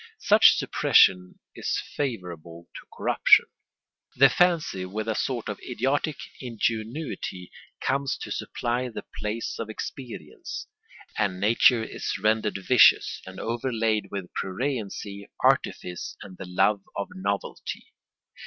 Such suppression is favourable to corruption: the fancy with a sort of idiotic ingenuity comes to supply the place of experience; and nature is rendered vicious and overlaid with pruriency, artifice, and the love of novelty.